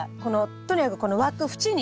とにかくこの枠縁に。